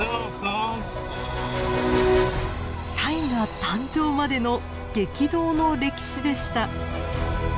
大河誕生までの激動の歴史でした。